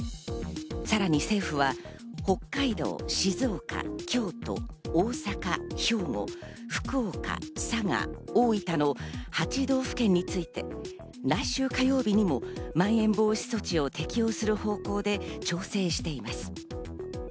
さらに政府は北海道、静岡、京都、大阪、兵庫、福岡、佐賀、大分の８道府県について来週火曜日にも、まん延防止措置を適用する方向で調整しています。